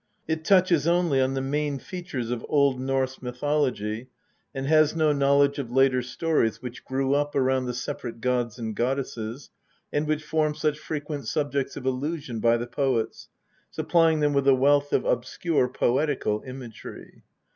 It touches only on the main features of Old Norse mythology, and has no knowledge of later stories which grew up around the separate gods and goddesses, and which form such frequent subjects of allusion by the poets, supplying them with a wealth of obscure poetical imagery.